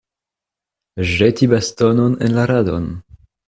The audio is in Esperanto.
Ĵeti bastonon en la radon.